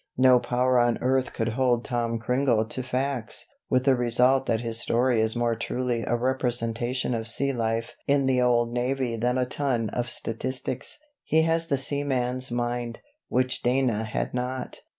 No power on earth could hold 'Tom Cringle' to facts, with the result that his story is more truly a representation of sea life in the old navy than a ton of statistics. He has the seaman's mind, which Dana had not.